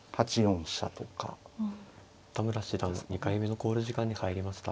田村七段２回目の考慮時間に入りました。